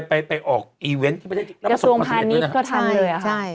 ไปออกอีเวนต์ที่ประเทศอีกกระทรวงพาณิชย์ก็ทำเลย